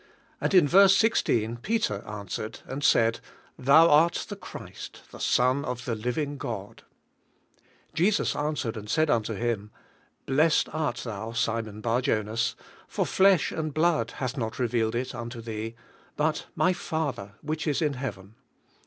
And in verse 16 Peter answered and said, "Thou art the Christ, the Son of the Living Godc" Jesus answered and said unto him :" Blessed art thou, Simon Barjonas, for flesh and blood hath not revealed it unto thee, but my Father which is in Heaven.